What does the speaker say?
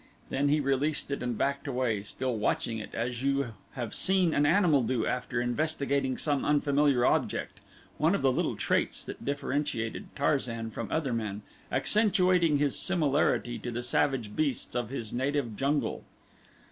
Then he released it and backed away, still watching it, as you have seen an animal do after investigating some unfamiliar object, one of the little traits that differentiated Tarzan from other men, accentuating his similarity to the savage beasts of his native jungle.